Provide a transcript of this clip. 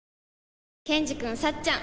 ケンジくんさっちゃん